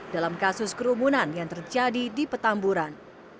dalam kasus kerumunan yang terjadi di petamburan